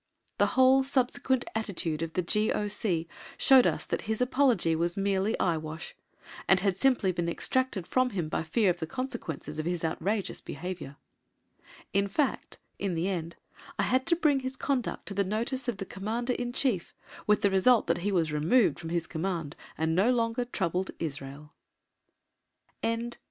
The whole subsequent attitude of the G.O.C. showed us that his apology was merely eye wash, and had simply been extracted from him by fear of the consequences of his outrageous behaviour. In fact, in the end, I had to bring his conduct to the notice of the Commander in Chief, with the result that he was removed from his Command and no longer troubled Israel. CHAPTER XXXI.